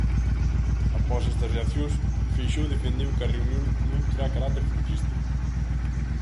Após estas reaccións, Feixóo defendeu que a reunión non terá carácter frontista.